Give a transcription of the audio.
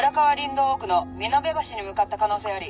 道奥の美濃部橋に向かった可能性あり。